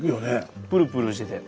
プルプルしてて。